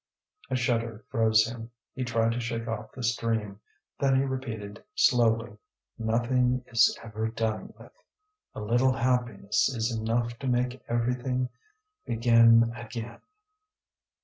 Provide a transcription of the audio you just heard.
A shudder froze him. He tried to shake off this dream; then he repeated slowly: "Nothing is ever done with; a little happiness is enough to make everything begin again."